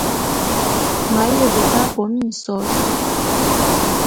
M’ aye beta bo minsos.